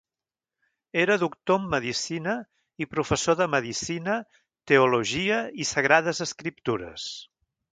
Era doctor en Medicina i professor de medicina, teologia i sagrades escriptures.